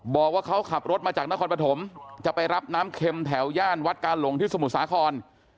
บอกว่าเขาขับรถมาจากนครปฐมจะไปรับน้ำเข็มแถวย่านวัดกาหลงที่สมุทรสาคร